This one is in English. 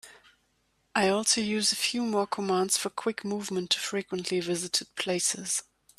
I also use a few more commands for quick movement to frequently visited places.